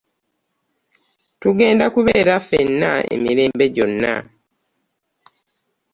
Tugenda kubeera ffennaemirembe gyona.